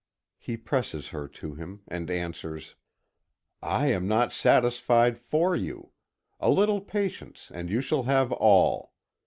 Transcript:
He presses her to him and answers: "I am not satisfied for you. A little patience, and you shall have all.